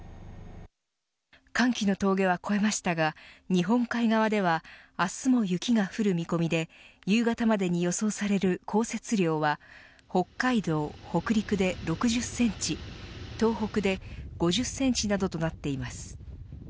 寒気の峠は越えましたが日本海側では明日も雪が降る見込みで夕方までに予想される降雪量は北海道、北陸で６０センチ東北で５０センチなどとなっています。